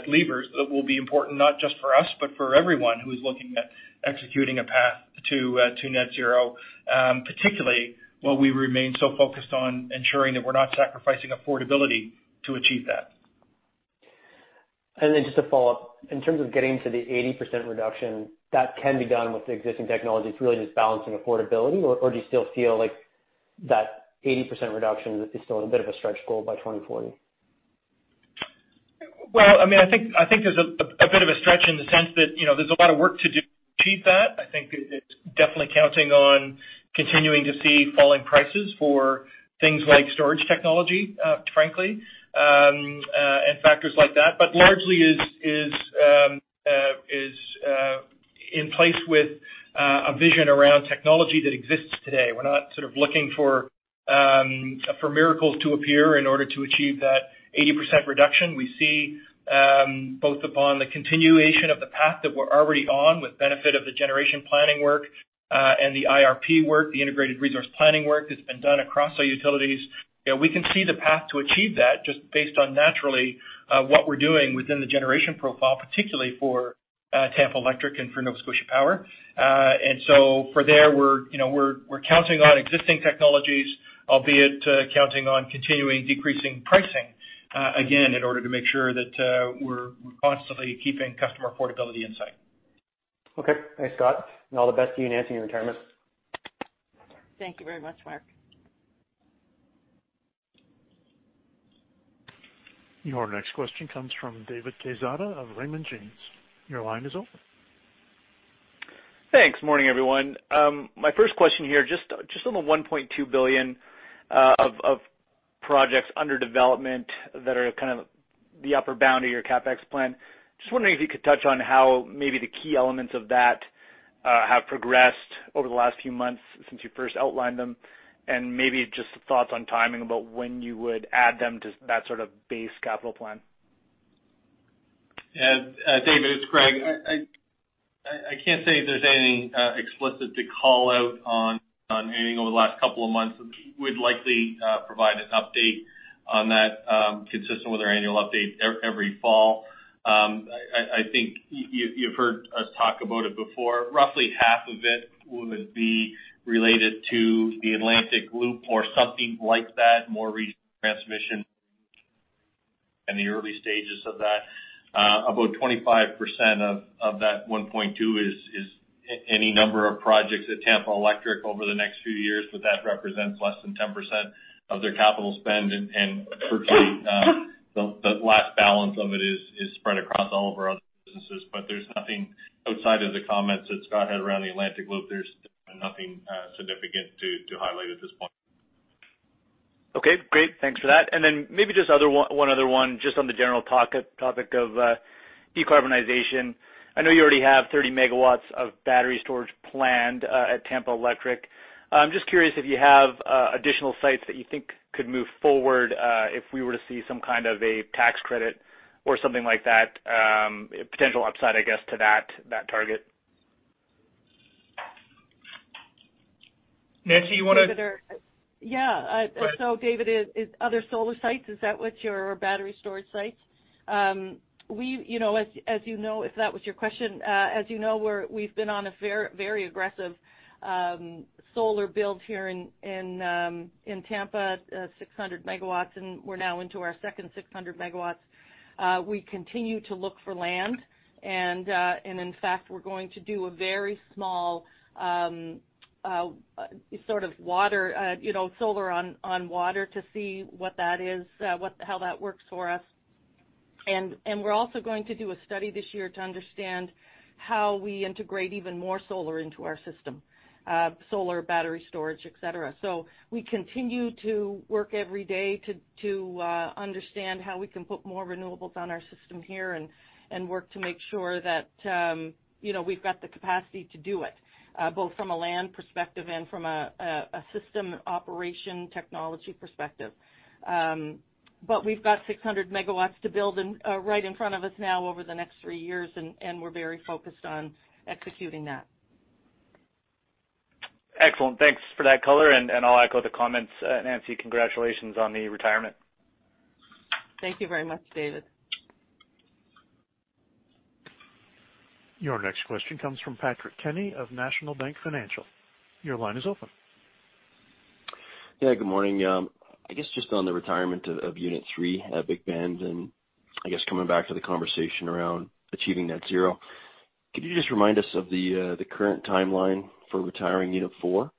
C: levers that will be important not just for us, but for everyone who is looking at executing a path to net zero. Particularly while we remain so focused on ensuring that we're not sacrificing affordability to achieve that.
J: Just a follow-up. In terms of getting to the 80% reduction, that can be done with the existing technology, it's really just balancing affordability? Do you still feel like that 80% reduction is still a bit of a stretch goal by 2040?
C: Well, I think there's a bit of a stretch in the sense that there's a lot of work to do to achieve that. I think it's definitely counting on continuing to see falling prices for things like storage technology, frankly, and factors like that. Largely is in place with a vision around technology that exists today. We're not sort of looking for miracles to appear in order to achieve that 80% reduction. We see both upon the continuation of the path that we're already on with benefit of the generation planning work, and the IRP work, the integrated resource planning work that's been done across our utilities. We can see the path to achieve that just based on naturally what we're doing within the generation profile, particularly for Tampa Electric and for Nova Scotia Power. For there, we're counting on existing technologies, albeit counting on continuing decreasing pricing, again, in order to make sure that we're constantly keeping customer affordability in sight.
J: Okay. Thanks, Scott. All the best to you, Nancy, in retirement.
H: Thank you very much, Mark.
A: Your next question comes from David Quezada of Raymond James. Your line is open.
K: Thanks. Morning, everyone. My first question here, just on the 1.2 billion of projects under development that are kind of the upper bound of your CapEx plan. Just wondering if you could touch on how maybe the key elements of that have progressed over the last few months since you first outlined them, and maybe just thoughts on timing about when you would add them to that sort of base capital plan.
D: David, it's Greg. I can't say there's anything explicit to call out on anything over the last couple of months. We'd likely provide an update on that, consistent with our annual update every fall. I think you've heard us talk about it before. Roughly half of it would be related to the Atlantic Loop or something like that, more regional transmission in the early stages of that. About 25% of that 1.2 is any number of projects at Tampa Electric over the next few years, but that represents less than 10% of their capital spend. Unfortunately, the last balance of it is spread across all of our other businesses. There's nothing outside of the comments that Scott had around the Atlantic Loop. There's nothing significant to highlight at this point.
K: Okay, great. Thanks for that. Maybe just one other one, just on the general topic of decarbonization. I know you already have 30 MW of battery storage planned at Tampa Electric. I'm just curious if you have additional sites that you think could move forward if we were to see some kind of a tax credit or something like that, potential upside, I guess, to that target.
D: Nancy, you want to?
H: Yeah. David, other solar sites, is that what your battery storage sites? If that was your question, as you know, we've been on a very aggressive solar build here in Tampa, 600 MW, and we're now into our second 600 MW. We continue to look for land. In fact, we're going to do a very small sort of solar on water to see what that is, how that works for us. We're also going to do a study this year to understand how we integrate even more solar into our system. Solar battery storage, et cetera. We continue to work every day to understand how we can put more renewables on our system here and work to make sure that we've got the capacity to do it, both from a land perspective and from a system operation technology perspective. We've got 600 MW to build right in front of us now over the next three years, and we're very focused on executing that.
K: Excellent. Thanks for that color, and I'll echo the comments. Nancy, congratulations on the retirement.
H: Thank you very much, David.
A: Your next question comes from Patrick Kenny of National Bank Financial. Your line is open.
L: Yeah, good morning. I guess just on the retirement of Unit 3 at Big Bend. Coming back to the conversation around achieving net zero, could you just remind us of the current timeline for retiring Unit 4?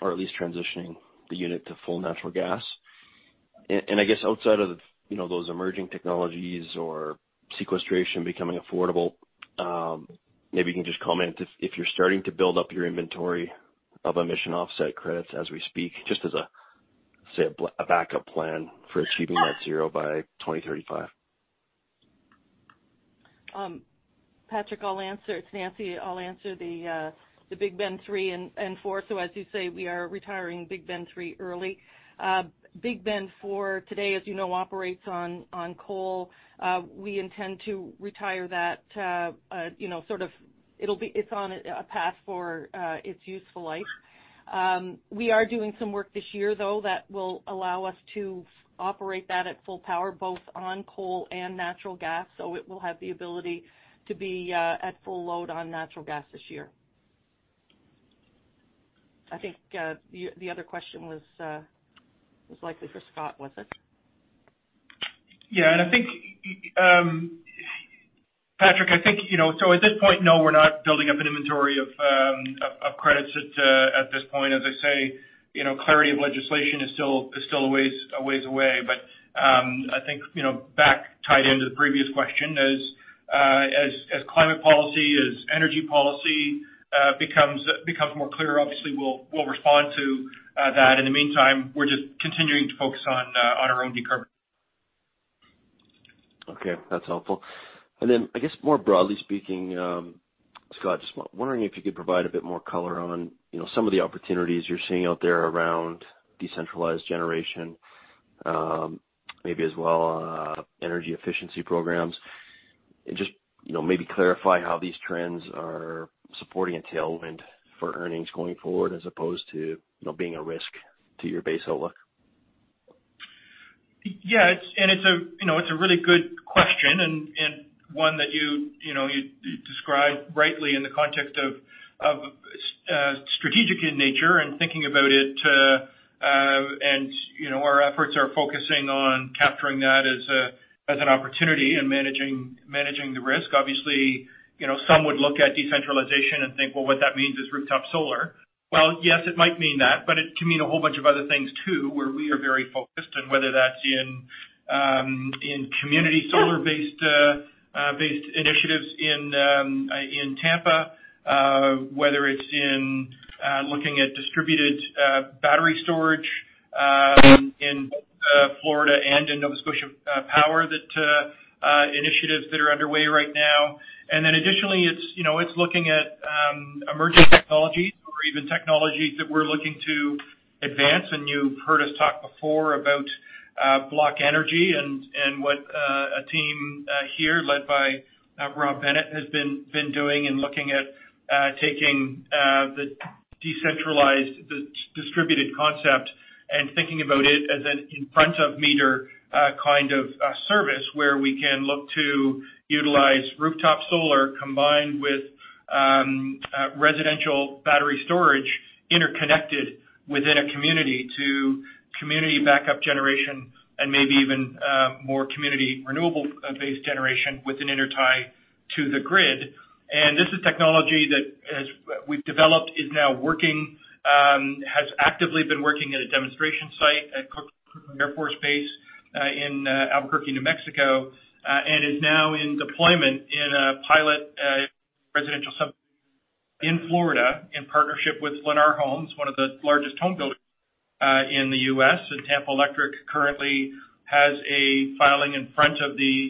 L: Or at least transitioning the unit to full natural gas. Outside of those emerging technologies or sequestration becoming affordable, maybe you can just comment if you're starting to build up your inventory of emission offset credits as we speak, just as, say, a backup plan for achieving net zero by 2035.
H: Patrick, it's Nancy. I'll answer the Big Bend 3 and 4. As you say, we are retiring Big Bend 3 early. Big Bend 4 today, as you know, operates on coal. We intend to retire that. It's on a path for its useful life. We are doing some work this year, though, that will allow us to operate that at full power, both on coal and natural gas, so it will have the ability to be at full load on natural gas this year. I think the other question was likely for Scott, was it?
C: Patrick, I think, at this point, no, we're not building up an inventory of credits at this point. As I say, clarity of legislation is still a ways away. I think back tied into the previous question, as climate policy, as energy policy becomes more clear, obviously we'll respond to that. In the meantime, we're just continuing to focus on our own decarbonization.
L: Okay, that's helpful. Then I guess more broadly speaking, Scott, just wondering if you could provide a bit more color on some of the opportunities you're seeing out there around decentralized generation. Maybe as well on energy efficiency programs. Just maybe clarify how these trends are supporting a tailwind for earnings going forward, as opposed to being a risk to your base outlook.
C: Yeah. It's a really good question, and one that you described rightly in the context of strategic in nature and thinking about it, and our efforts are focusing on capturing that as an opportunity and managing the risk. Obviously, some would look at decentralization and think, well, what that means is rooftop solar. Yes, it might mean that, but it can mean a whole bunch of other things too, where we are very focused on whether that's in community solar-based initiatives in Tampa. Whether it's in looking at distributed battery storage in Florida and in Nova Scotia Power, initiatives that are underway right now. Additionally, it's looking at emerging technologies or even technologies that we're looking to advance. You've heard us talk before about BlockEnergy and what a team here led by Rob Bennett has been doing in looking at taking the distributed concept and thinking about it as an in front-of-meter kind of service where we can look to utilize rooftop solar combined with residential battery storage interconnected within a community to community backup generation and maybe even more community renewable-based generation with an intertie to the grid. This is technology that we've developed, is now working. Has actively been working at a demonstration site at Kirtland Air Force Base in Albuquerque, New Mexico. Is now in deployment in a pilot residential subdivision in Florida in partnership with Lennar Homes, one of the largest home builders in the U.S. Tampa Electric currently has a filing in front of the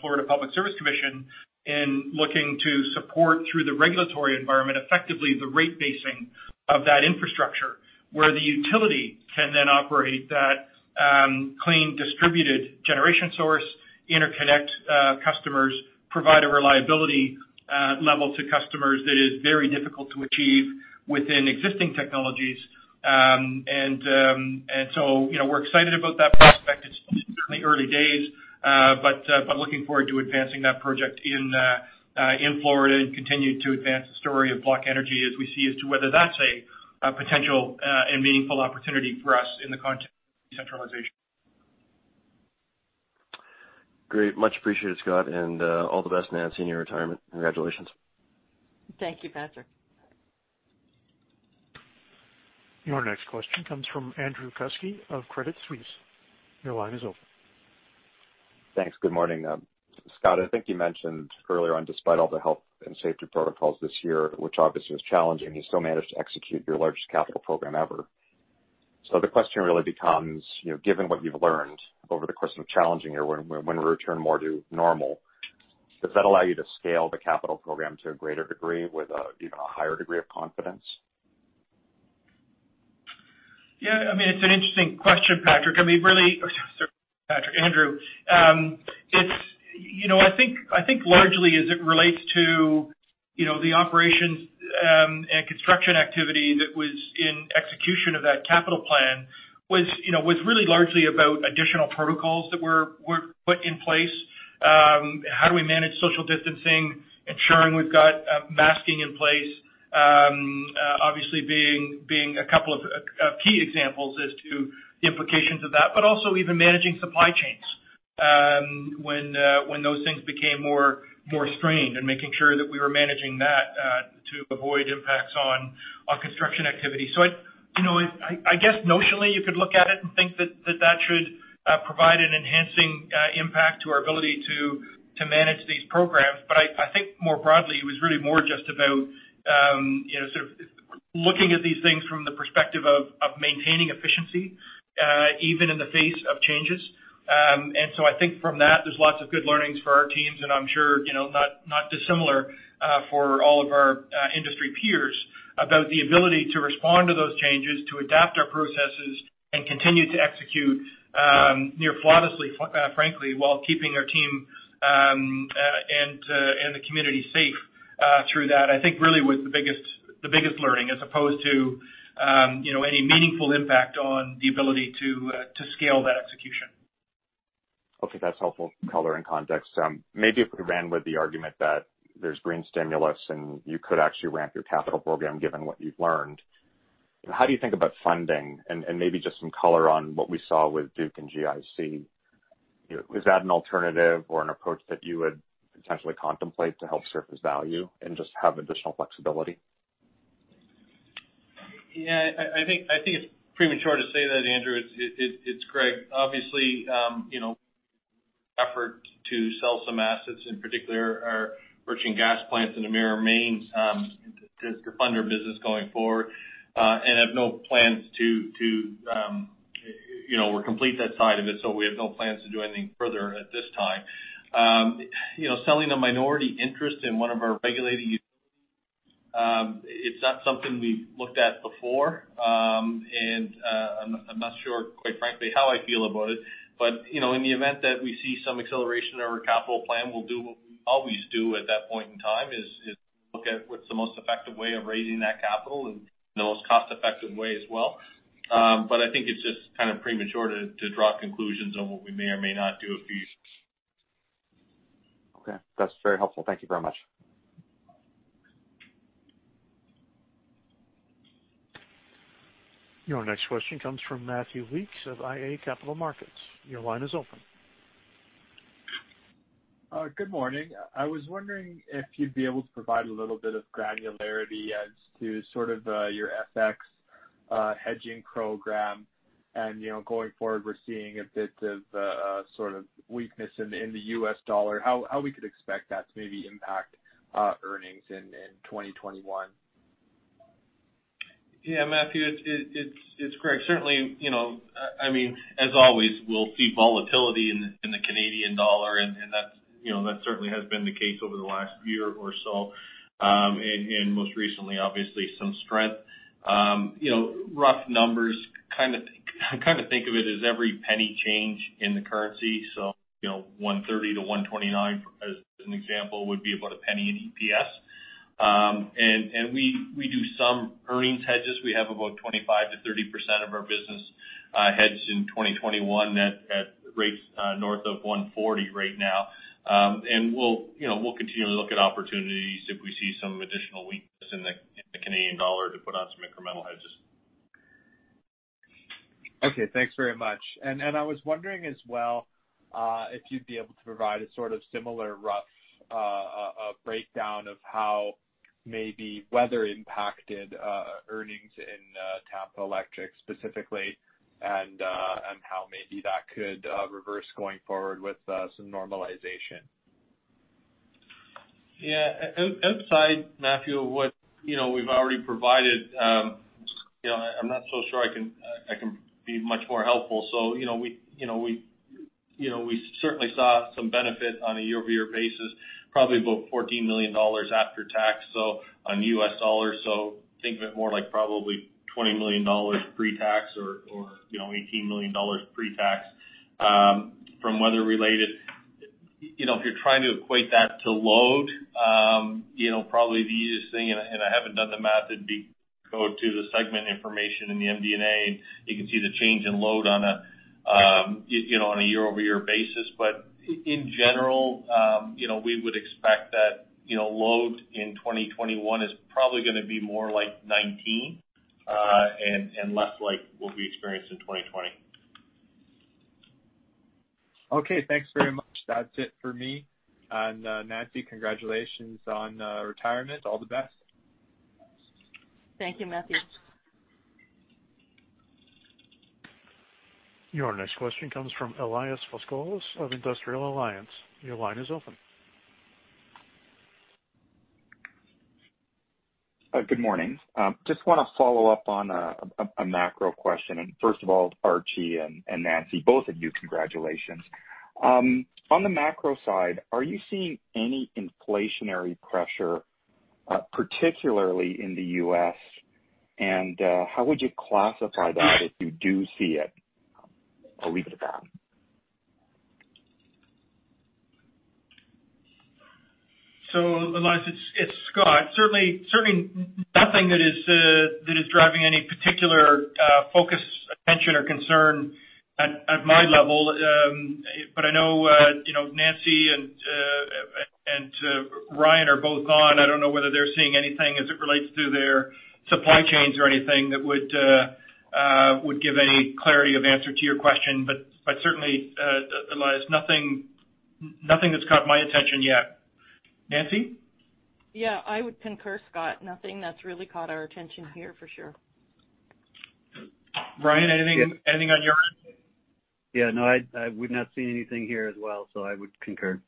C: Florida Public Service Commission in looking to support through the regulatory environment, effectively the rate basing of that infrastructure, where the utility can then operate that clean distributed generation source, interconnect customers, provide a reliability level to customers that is very difficult to achieve within existing technologies. We're excited about that prospect. It's certainly early days. Looking forward to advancing that project in Florida and continuing to advance the story of BlockEnergy as we see as to whether that's a potential and meaningful opportunity for us in the context of decentralization.
L: Great. Much appreciated, Scott. All the best in advancing your retirement. Congratulations.
H: Thank you, Patrick.
A: Your next question comes from Andrew Kuske of Credit Suisse. Your line is open.
M: Thanks. Good morning. Scott, I think you mentioned earlier on, despite all the health and safety protocols this year, which obviously was challenging, you still managed to execute your largest capital program ever. The question really becomes, given what you've learned over the course of a challenging year, when we return more to normal, does that allow you to scale the capital program to a greater degree with even a higher degree of confidence?
C: Yeah. It's an interesting question, Patrick. Sorry, Patrick. Andrew. I think largely as it relates to the operations and construction activity that was in execution of that capital plan was really largely about additional protocols that were put in place. How do we manage social distancing, ensuring we've got masking in place? Obviously being a couple of key examples as to the implications of that, also even managing supply chains when those things became more strained and making sure that we were managing that to avoid impacts on our construction activity. I guess notionally, you could look at it and think that that should provide an enhancing impact to our ability to manage these programs. I think more broadly, it was really more just about sort of looking at these things from the perspective of maintaining efficiency, even in the face of changes. I think from that, there is lots of good learnings for our teams, and I am sure not dissimilar, for all of our industry peers about the ability to respond to those changes, to adapt our processes and continue to execute near flawlessly, frankly, while keeping our team and the community safe through that, I think really was the biggest learning as opposed to any meaningful impact on the ability to scale that execution.
M: Okay. That's helpful color and context. Maybe if we ran with the argument that there's green stimulus and you could actually ramp your capital program, given what you've learned. How do you think about funding and maybe just some color on what we saw with Duke and GIC? Is that an alternative or an approach that you would potentially contemplate to help surface value and just have additional flexibility?
D: Yeah, I think it's premature to say that, Andrew. It's Greg. Obviously, effort to sell some assets, in particular our merchant gas plants in Emera Maine, to fund our business going forward. Have no plans to complete that side of it. We have no plans to do anything further at this time. Selling a minority interest in one of our regulated utilities, it's not something we've looked at before. I'm not sure, quite frankly, how I feel about it. In the event that we see some acceleration in our capital plan, we'll do what we always do at that point in time, is look at what's the most effective way of raising that capital and the most cost-effective way as well. I think it's just kind of premature to draw conclusions on what we may or may not do at this stage.
M: Okay. That's very helpful. Thank you very much.
A: Your next question comes from Matthew Weekes of iA Capital Markets. Your line is open.
N: Good morning. I was wondering if you'd be able to provide a little bit of granularity as to sort of your FX hedging program. Going forward, we're seeing a bit of sort of weakness in the U.S. dollar. How we could expect that to maybe impact earnings in 2021?
D: Matthew, it's Greg. Certainly, as always, we'll see volatility in the Canadian dollar, and that certainly has been the case over the last year or so. Most recently, obviously, some strength. Rough numbers, kind of think of it as every penny change in the currency. 130 to 129, as an example, would be about a penny in EPS. We do some earnings hedges. We have about 25%-30% of our business hedged in 2021 at rates north of 140 right now. We'll continually look at opportunities if we see some additional weakness in the Canadian dollar to put on some incremental hedges.
N: Okay, thanks very much. I was wondering as well, if you'd be able to provide a sort of similar rough breakdown of how maybe weather impacted earnings in Tampa Electric specifically and how maybe that could reverse going forward with some normalization.
D: Yeah. Outside, Matthew, what we've already provided, I am not so sure I can be much more helpful. We certainly saw some benefit on a year-over-year basis, probably about $14 million after tax, so on US dollars. Think of it more like probably $20 million pre-tax or $18 million pre-tax, from weather-related. If you are trying to equate that to load, probably the easiest thing, and I have not done the math. It'd be go to the segment information in the MD&A, and you can see the change in load on a year-over-year basis. In general, we would expect that load in 2021 is probably going to be more like 2019 and less like what we experienced in 2020.
N: Okay, thanks very much. That's it for me. Nancy, congratulations on retirement. All the best.
H: Thank you, Matthew.
A: Your next question comes from Elias Foscolos of Industrial Alliance. Your line is open.
O: Good morning. Just want to follow up on a macro question. First of all, Archie and Nancy, both of you, congratulations. On the macro side, are you seeing any inflationary pressure, particularly in the U.S., and how would you classify that if you do see it? I'll leave it at that.
C: Elias, it's Scott. Certainly nothing that is driving any particular focus, attention, or concern at my level. I know Nancy and Ryan are both on. I don't know whether they're seeing anything as it relates to their supply chains or anything that would give any clarity of answer to your question. Certainly, Elias, nothing that's caught my attention yet. Nancy?
H: I would concur, Scott. Nothing that's really caught our attention here for sure.
C: Ryan, anything on your end?
P: Yeah, no, we've not seen anything here as well, so I would concur.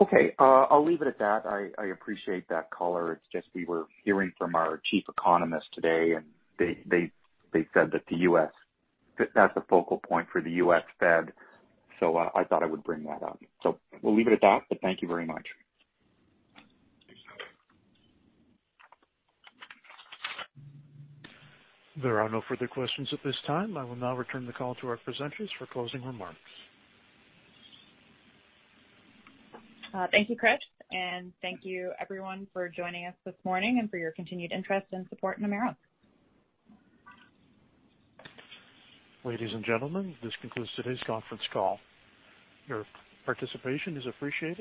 O: Okay. I'll leave it at that. I appreciate that call. It's just we were hearing from our chief economist today, and they said that that's the focal point for the U.S. Fed, so I thought I would bring that up. We'll leave it at that, but thank you very much. Thanks, Scott.
A: There are no further questions at this time. I will now return the call to our presenters for closing remarks.
B: Thank you, Chris, and thank you everyone for joining us this morning and for your continued interest and support in Emera.
A: Ladies and gentlemen, this concludes today's conference call. Your participation is appreciated.